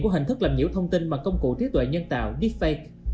của hình thức làm nhiễu thông tin bằng công cụ triết tuệ nhân tạo deepfake